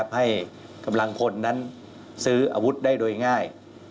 ให้กำลังพลนั้นซื้ออาวุธได้โดยง่าย